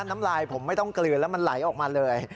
น้ำลายผมไม่ต้องกลืนแล้วมันไหลออกมาเลย